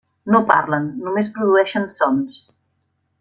No parlen, només produeixen sons.